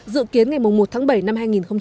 dự kiến ngày một tháng bảy năm hai nghìn hai mươi